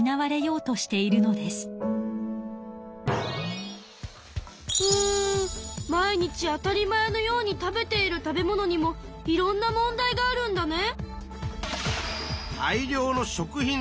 うん毎日当たり前のように食べている食べ物にもいろんな問題があるんだね。